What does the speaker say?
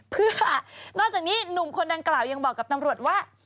เพื่อนอกจากนี้หนุ่มคนดังกล่าวยังบอกกับตำรวจว่า